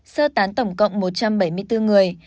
sơ tán tổng cộng một trăm bảy mươi bốn người